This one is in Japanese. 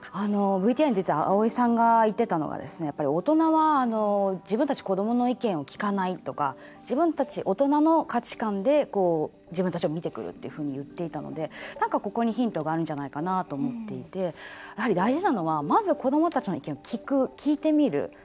ＶＴＲに出たあおいさんが言っていたのは大人は自分たち子どもの意見を聞かないとか自分たち、大人の価値観で自分たちを見てくると言っていたので、何かここにヒントがあるんじゃないかなと思っていて大事なのはまず子どもたちの意見を聞く聞いてみる。